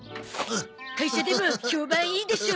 会社でも評判いいでしょ？